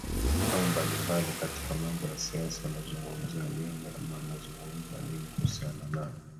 au mbalimbali katika mambo ya siasa wanazungumzia nini ama wanazungumza nini kuhusiana na